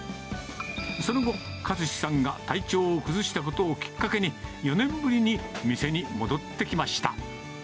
その後、克司さんが体調を崩したことをきっかけに、４年ぶりに店に戻ってきました。